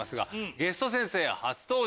ゲスト先生は初登場！